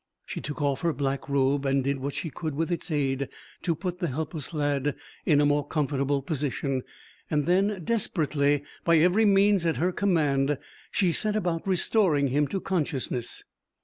She took off her black robe and did what she could with its aid to put the helpless lad in a more comfortable position; then, desperately, by every means at her command, she set about restoring him to consciousness.